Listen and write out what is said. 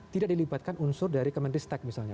tidak dilibatkan unsur dari kementerian teknologi misalnya